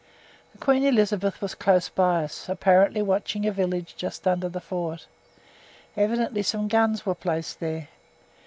The Queen Elizabeth was close by us, apparently watching a village just under the fort. Evidently some guns were placed there.